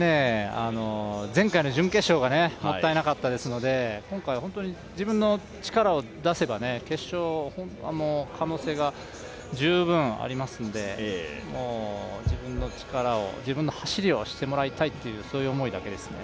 前回の準決勝がもったいなかったですので、今回、自分の力を出せば決勝も可能性が十分ありますので、自分の力を、自分の走りをしてもらいたいという思いだけですね。